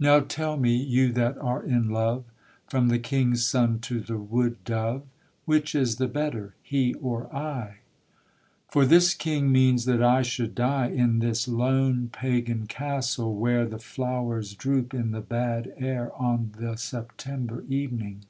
Now tell me, you that are in love, From the king's son to the wood dove, Which is the better, he or I? For this king means that I should die In this lone Pagan castle, where The flowers droop in the bad air On the September evening.